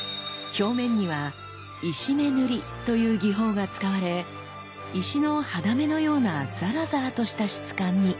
表面には石目塗という技法が使われ石の肌目のようなザラザラとした質感に。